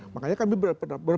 makanya kami berpendekatan